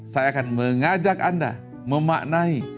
saya akan mengajak anda memaknai